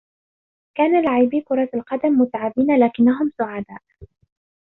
كان لاعبي كرة القدم متعبين لكنّهم سعداء.